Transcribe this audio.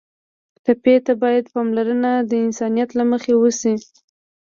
ټپي ته باید پاملرنه د انسانیت له مخې وشي.